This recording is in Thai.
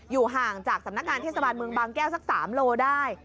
อยู่ห่างจากสำนักการณ์เทศสมันเมืองบางแก้วสัก๓โลได้